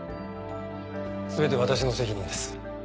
全て私の責任です。